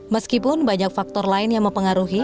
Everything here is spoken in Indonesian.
meskipun banyak faktor lain yang mempengaruhi